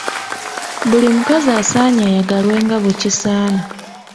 Buli mukazi asaanye ayagalwe nga bwe kisaana.